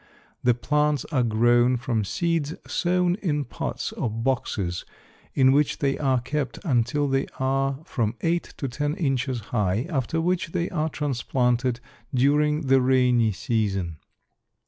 The plants are grown from seeds sown in pots or boxes in which they are kept until they are from eight to ten inches high, after which they are transplanted during the rainy season.